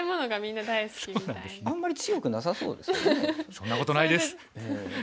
そんなことないです！